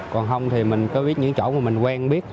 còn không thì mình có biết những chỗ mà mình quen biết